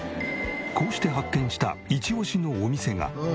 こうして発見したイチオシのお店が。来た！